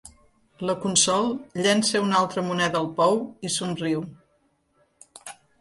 La Consol llença una altra moneda al pou i somriu.